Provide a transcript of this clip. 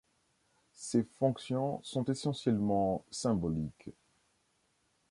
Ces fonctions sont essentiellement symboliques.